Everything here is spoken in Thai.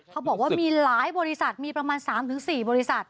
เขาบอกว่ามีหลายบริษัทมีประมาณ๓๔บริษัท